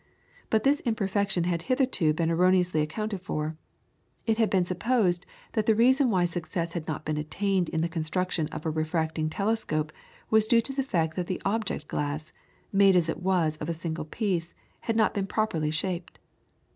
But this imperfection had hitherto been erroneously accounted for. It had been supposed that the reason why success had not been attained in the construction of a refracting telescope was due to the fact that the object glass, made as it then was of a single piece, had not been properly shaped.